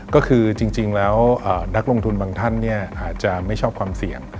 ก็คือจริงแล้วนักลงทุนบางท่านอาจจะไม่ชอบความเสี่ยง